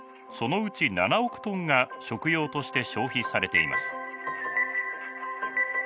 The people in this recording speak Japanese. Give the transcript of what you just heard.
そのうち７億トンが食用として消費されています。